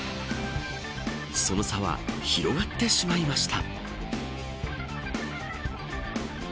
その差は広がってしまいました。